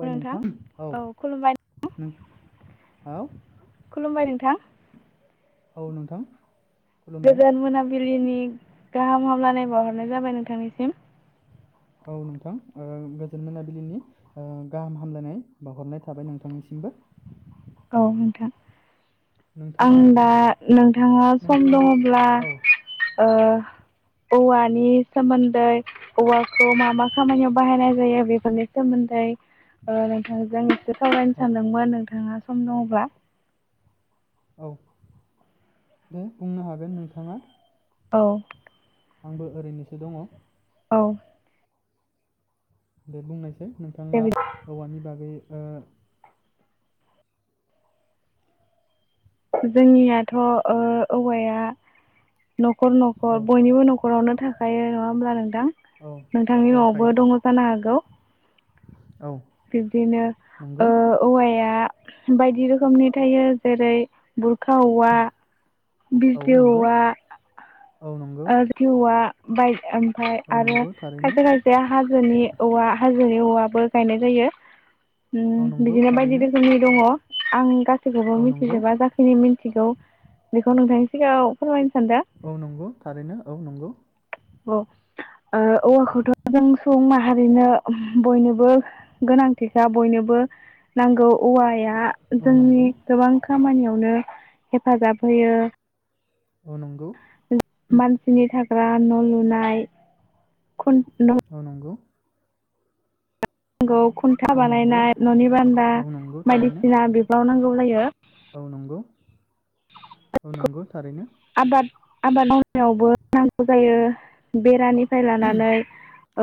खुलुमबाय नोंथां औ नों औ खुलुमबाय नोंथां औ नोंथां खुलुमबाय गोजोन मोनाबिलिनि गाहाम हामलानाय बवाहरनाय जाबाय नोंथांनिसिम औ नोंथां गोजोन मोनाबिलिनि गाहाम हामलायनाय बावहरनाय थाबाय नोंथांनिसिमबो औ नोंथां आं नोंथाङा दा नोंथाङा सम नोंथाङा दङब्ला औ औवानि सोमोन्दै औवाखौ मा मा खामानियाव बाहायनाय जायो बेफोरनि सोमोन्दै ओ नोंथांजों एसे सावरायनो औ सानदोंमोन [unintelligible] सम दंबोला औ दे बुंनो हागोन नोंथाङा औ आंबो ओरैनोसो दङ औ दे बुंनायसै दे नोंथाङा बिदि औवानि बागै ओ जोंनियाथ ओ औवाया नखर ओ औ नखर बयनिबो नखरावनो था खायो नङा होमब्ला नोंथां दा औ नोंथांनि औ नआवबो थायो दङ जानो हागौ औ बिब्दिनो नंगौ ओ औवाया बायदि रोखोमनि थायो जेरै बुर खा औवा औ बिजलि नंगौ औवा औ नंगौ आरो जौ औ [unintelligible] बाय [unintelligible] ओमफाय औ आरो नंगौ थारैनो खायसे खायसे हाजोनि औवा हाजो जेरै औवाबो गायनाय जायो। औ नंगौ बिदिनो बायदि थारैनो रोखोमनि दङ। आं गासै। गासैखौबो औ नंगौ मिथिजोबा जाखिनि मिथियो। मिथिगौ बेखौ नोंथांनि सिगाङाव फोरमायगोन। औ नंगौ। थारैनो औ नंगौ। औ औवाखौथ जों सुबुं माहारिनो बयनोबो गोनांथिखा बयनोबो नांगौ औवाया औ जोंनि नंगौ गोबां खामानियाव जोंनो हेफाजाब होयो। औ नंगौ। मानसिनि थाखाय। मानसिफोरा न लुनाय। खुन न' औ नंगौ। खुन्था औ नंगौ बानायनाय ननि बान्दा औ नंगौ थारैनो बायदिसिना बिफ्राव नांगौ। बाहायो। औ नंगौ। औ नंगौ थारैनो। आबाद आबाद मावनायावबो नांगौ जायो बेरानि। निफ्राइ लानानै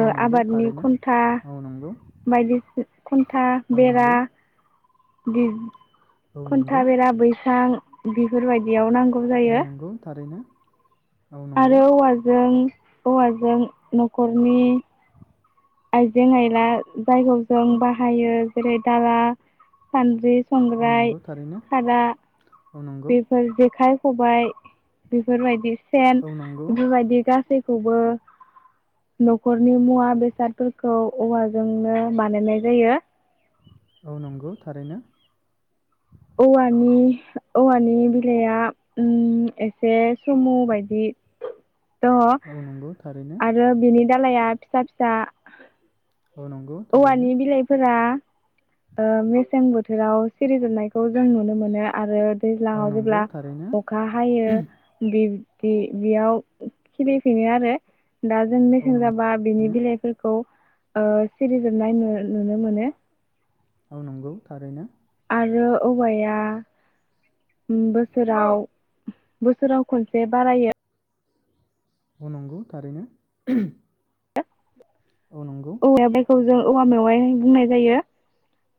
औ नंगौ आबादनि थारैनो खुन्था। औ नंगौ बायदिसिना खुन्था औ बेरा। नंगौ बिदिनो। औ खुन्था नंगौ बेरा बैसां। बेफोरबायदियाव नांगौ। जायो औ नंगौ थारैनो। औ नंगौ आरो औवाजों हौवाजों नखरनि आइजें आयला जायगायाव जों बाहायो जेरै दाला सानद्रि औ संग्राय नंगौ थारैनो खादा औ नंगौ बेफोर जेखाय खबायाइ बेफोरबायदि। सेन औ नंगौ बेफोरबायदि गासै खौबो नखरनि मुवा बेसाद फोरखौ औवाजोंनो बानायनाय जायो। औ नंगौ थारैनो। औवानि औवानि बिलाइआ ओम एसे सुमु बायदि दङ औ नंगौ थारैनो आरो बिनि दालाइया फिसा फिसा औ नंगौ थारैनो औवानि बिलाइफोरा ओ मेसें बोथोराव सिरिजोबनायखौ जों नुनो मोनो आरो औ दैज्लाङाव नंगौ जेब्ला थारैनो अखा हायो बे बे बेयाव खिलिफिनो आरो दा जों औ मेसें नंगौ जाबा बिनि थारैनो बिलाइफोरखौ ओ सिरिजोबनाय नु नुनो मोनो। औ नंगौ थारैनो आरो औवाया बोसोराव बोसोराव खनसे बारायो औ नंगौ थारैनो औ नंगौ [unintelligible] औवा मेवाइ बुंनाय जायो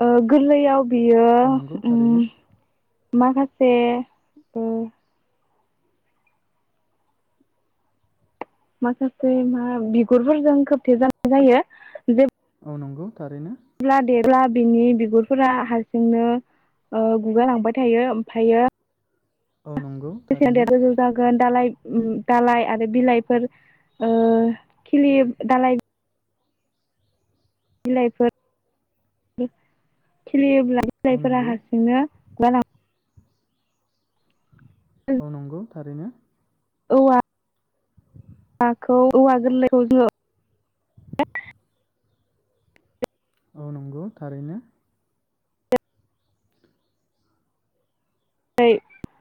ओ गोरलैयाव बियो औ नंगौ ओम थारैनो माखासे माखासे मा बिगुरफोरजों खोबथे जानाय जायो जे औ नंगौ थारैनो जेब्ला देरब्ला बिनि बिगुरफोरा हारसिंनो ओ गुगालांबाय थायो ओमफ्रायो औ नंगौ थारैनो [unintelligible] गोजौ जागोन दालाय दालाय आरो बिलाइफोर ओ खिलियो दालाय बिलाइफोर औ बिलाइफोरा नंगौ हारसिंनो [unintelligible] औ नंगौ थारैनो औवा आखौ औवा गोरलैखौ जोङो औ नंगौ थारैनो [unintelligible]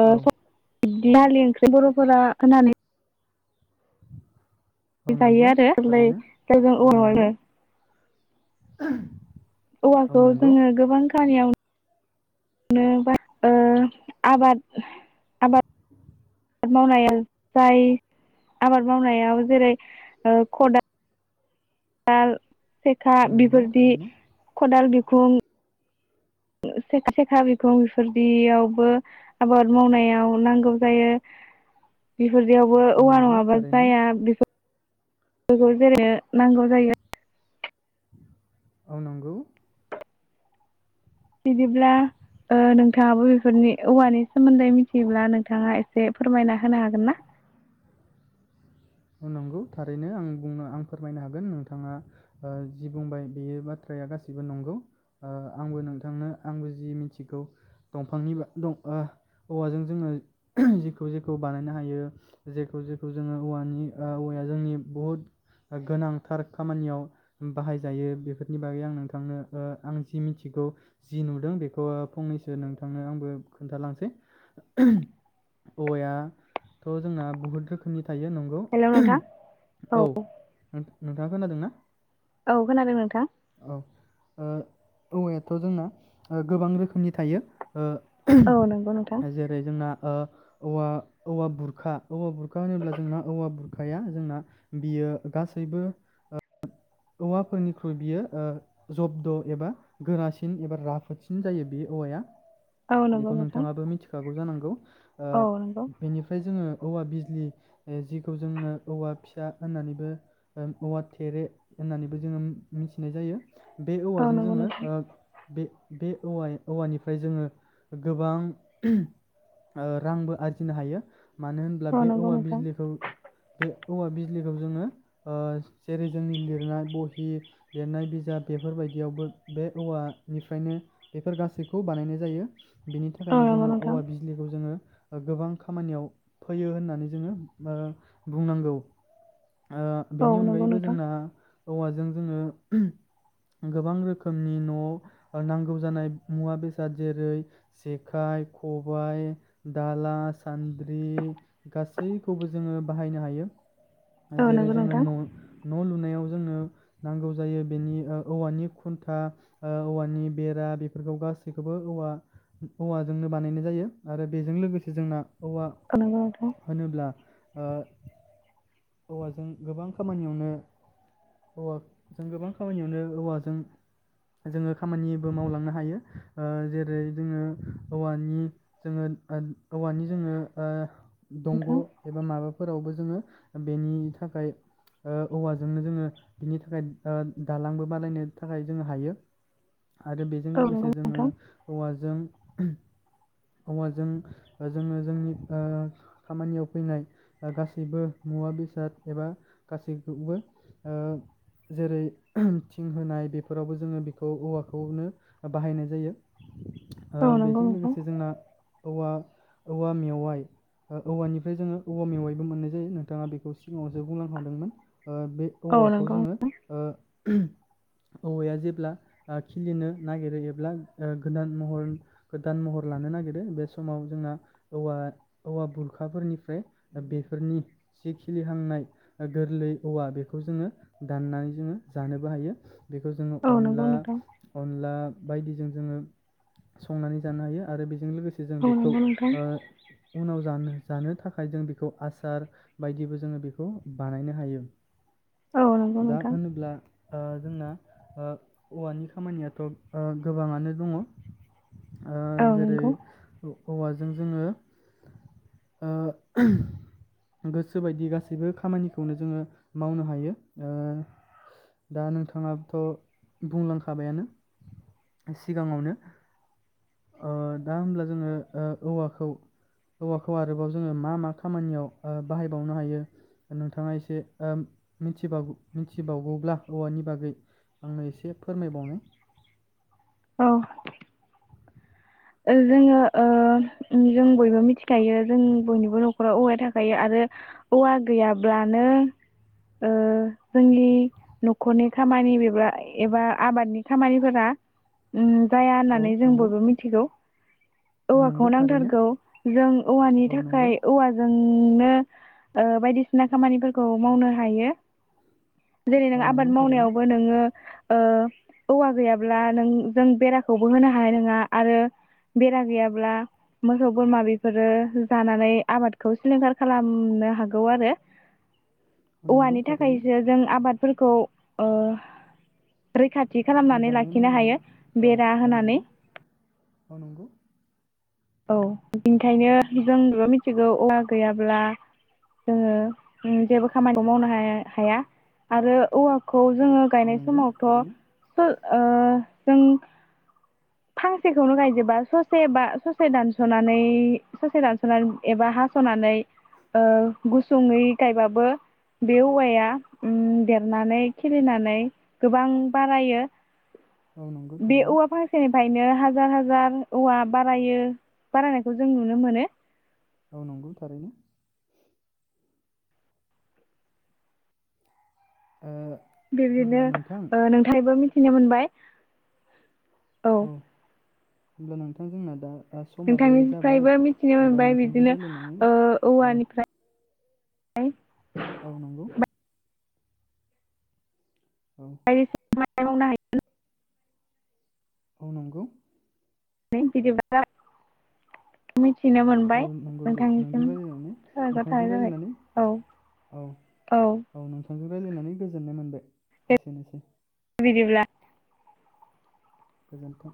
ओ औ [unintelligible] दालि ओंख्रि बरफोरा होनानै औ जायो नंगौ आरो थारैनो औ नंगौ [unintelligible] [inaudible] औ औवाखौ नंगौ जोङो गोबां खामानियाव नो बा-ओ आबाद आबाद मावनाया जाय आबाद मावनायाव जेरै ओ खदाल दाल। सेखा औ नंगौ बेफोरदि थारैनो खदाल बि खुं। सेखा सेखा बिखां बेफोरदियावबो आबाद मावनायाव नांगौ जायो बि बेफोरदियावबो औ औवा नंगौ नङाबा थारैनो जाया बिफोर बेखौ जेरै नांगौ जायो। औ नंगौ। बिदिब्ला ओ नोंथाङाबो बेफोरनि औवानि सोमोन्दै मिथियोब्ला नोंथाङा एसे फोरमायना होनो हागोन ना? नंगौ थारैनो आं बुंनो आं फोरमायनो हागोन नोंथाङा जि बुंबाय बेयो बाथ्राया गासैबो नंगौ आंबो नोंथांनो आंबो जि मिथिगौ दंफांनि ओ औवाजों जोङो जेखौ जेखौ बानायनो हायो जेखौ जेखौ जोङो औवानि ओ औवाया जोंनि बुहुत गोनांथार खामानियाव बाहायजायो बेफोरनि बागै आं नोंथांनो ओ आं जि मिथिगौ जि नुदों बेखौ फंनैसो नोंथांनो आंबो खोन्थालांसै औवायाथ' जोंना बहुत रोखोमनि थायो नंगौ। हेलौ नोंथां औ। नोंथाङा खोनादों ना? औ खोनादों नोंथां। औ ओ औवायाथ' जोंना ओ गोबां रोखोमनि थायो। औ नंगौ नोंथां ओ जेरै जोंना ओ औवा औवा बुरखा औवा बुरखा होनोब्ला जोंना औवा बुरखाया जोंना बियो गासैबो औवाफोरनिख्रुइ बियो जब्द एबा गोरासिन एबा राफोदसिन जायो बे औवाया। औ नंगौ बेखौ नोंथां नोंथाङाबो मिथिखागौ जानांगौ। गौ। औ नंगौ ओ बेनिफ्राय जोङो औवा बिजलि जिखौ जोङो औवा फिसा होननानैबो औवा ओ थेरे होननानैबो जोङो मिथिनाय जायो। बे औ औवाजों नंगौ जोङो नोंथां ओ बे बे औवय औवानिफ्राय जोङो गोबां ओ रांबो आरजिनो हायो। मानो होनब्ला औ बे नंगौ औवा नोंथां बिजलिखौ बे औवा बिज लिखौ जोङो ओ‌ जेरै जोंनि लिर नाय बहि लिरनाय बिजाब बेफोरबायदियावबो बे औवानिफ्रायनो बेफोर गासैखौ बानायनाय जायो। बेनि औ थाखायनो नंगौ जोङो नोंथां औवा बिजलिखौ जोङो गोबां खामानियाव फैयो होननानै जोङो ओ बुंनांगौ। ओ औ बेनि नंगौ अनगायैबो नोंथां जोंना औवाजों जोङो गोबां रोखोमनि न' नांगौ जानाय मुवा बेसाद जेरै जेखाइ, खबाय, दाला, सान्द्रि गासैखौबो जोङो बाहायनो हायो। औ जेरै नंगौ जोङो नोंथां न' न' लुनायाव जोंनो नांगौ जायो बेनि ओ औवानि खुन्था औवानि ओ बेरा बेफोरखौ गासैखौबो औवा औवाजोंनो बानायनाय जायो आरो बेजों लोगोसे जोंना औवा औ नंगौ नोंथां होनोब्ला ओ औवाजों गोबां खामानियावनो औवाजों गोबां खामानियावनो औवाजों जोङो खामानिबो मावलांनो हायो ओ जेरै जोङो औवानि जोङो औवानि जोङो ओ दंग नोंथां एबा माबाफोरावबो जोङो बेनि थाखाय ओ औवाजोंनो जोङो बिनि थाखाय ओ दालांबो बानायनो थाखाय जोङो हायो। आरो बेजों औ नंगौ लोगोसे जोङो नोंथां औवाजों औवाजों जोङो जोंनि ओ खामानियाव फैनाय गासैबो मुवा बेसाद एबा गासैखौबो ओ जेरै थिं होनाय बेफोरावबो जोङो बेखौ औवाखौनो बाहायनाय जायो। ओ औ नंगौ बेजों नोंथां लोगोसे जोंना औवा औवा मेवाइ औवानिफ्राय जोङो औवा मेवाइबो मोन्नाय जायो नों थाङा बेखौ सिगाङावसो बुंलां खादोंमोन। ओ बे औ औवाखौ नंगौ जोङो ओ औवाया जेब्ला ओ खिलिनो नागिरो एब्ला ओ गोदान महर गोदान महर लानो नागिरो बे समाव जोंना औवा औवा बुरखाफोरनिफ्राय बेफोरनि जि खिलिहांनाय गोरलै औवा बेखौ जोङो दान्नानै जोङो जानोबो हायो। बेखौ जोङो औ नंगौ अनला नोंथां अनला बायदिजों जोङो संनानै जानो हायो आरो बेजों लोगो से जों औ बेखौ नंगौ नोंथां ओ उनाव जानो जानो थाखाय जों बेखौ आसार बायदिबो जोङो बेखौ बानायनो हायो। औ नंगौ दा नोंथां होनोब्ला ओ जोंना ओ औवानि खामानियाथ ओ गोबाङानो दङ। ओ औ जेरै नंगौ औवाजों जोङो ओ गोसो बायदि गासैबो खामानिखौनो जोङो मावनो हायो। ओ दा नोंथाङाथ बुंलांखाबायानो सिगाङावनो। ओ दा होमब्ला जोङो ओ औवाखौ औवाखौ आरोबाव जोङो मा मा खामानियाव ओ बाहायबावनो हायो नोंथाङा एसे ओ मिथिबावग-मिथिबावगौब्ला औवानि बागै आंनो एसे फोरमायबावनाय। औ। ओ जोङो ओ जों बयबो मिथिखायो जों बयनिबो नखराव औवाया थाखायो आरो औवा गैयाब्लानो ओ जोंनि नखरनि खामानि बेबा एबा आबादनि खामानिफोरा उम जाया औ होन्नानै जों नंगौ बयबो मिथिगौ। औ औवाखौ नंगौ थारैनो नांथारगौ जों औवानि औ नंगौ थाखाय औवाजोंनो ओ बायदिसिना खामानिफोरखौ मावनो हायो। जेरै नों औ नंगौ आबाद थारैनो मावनायावबो नोङो ओ औवा गैया ब्ला नों जों बेराखौबो होनो हानाय नोङा आरो बेरा गैयाब्ला मोसौ बोरमा बेफोरो जानानै आबादखौ सिलिंखार खालामनो हागौ आरो। औ नंगौ औवानि थारैनो थाखायसो जों आबाद फोरखौ ओ रैखा थि खालामनानै मोजाङै लाखिनो हायो मावलांनो औ बेरा औ होनानै। नंगौ औ नंगौ। औ बेनिखायनो जों [inaudible] मिथिगौ औवा गैयाब्ला जोङो ओम जेबो खामानिखौ मावनो हाय हाया आरो औवा खौ जोङो औ गायनाय नंगौ समावथ थारैनो फो ओ जों फांसेखौनो गायजोबा ससे बा स से दानसनानै ससे दानसनानै एबा हासनानै ओ गुसुङै गायबाबो बे औवाया ओम देरनानै खिलिनानै गोबां बारायो। औ नंगौ बे थारैनो औवा फांसेनिफाय बिदिनो हाजार हाजार औवा बारायो। बारायनायखौ जों नुनो मोनो। औ नंगौ थारैनो। ओ होमब्ला बेदिनो नोंथां ओ नोंथाङबो मिथि। थिनो मोनबाय। औ। होमब्ला नोंथां जोंना दा ओ समाबो नोंथांनिफ्राइ जाबाय बो मिथिनो होमबा मोनबाय नोंथांजों बिदिनो रायलायनानै ओ औ औवानिफ्राय। औव नंगौ। औ बायदि खामानि मावनो हायो। औ नंगौ। दे बिदिब्ला मि। औ नंगौ दे नोंजों रायज्लायनानै साबायखर थानाय नोंथांजों जाबाय राय्लायनानै औ औ औ नोंथांजों रायज्लायनानै गोजोननाय मोनबाय दे एसेनोसै। बिदिब्ला। गोजोन्थों।